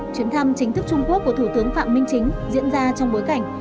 chuyến thăm chính thức trung quốc của thủ tướng phạm minh chính diễn ra trong bối cảnh